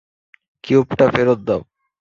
কিউবটা ফেরত দাও।